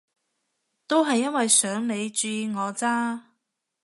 都係因為想你注意我咋